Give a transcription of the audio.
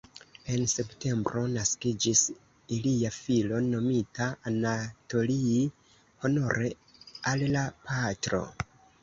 En septembro naskiĝis ilia filo nomita Anatolij, honore al la patro.